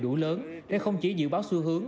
đủ lớn để không chỉ dự báo xu hướng